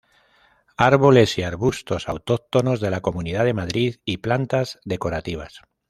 Árboles y arbustos autóctonos de la comunidad de Madrid y plantas decorativas.